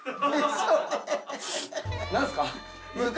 何すか？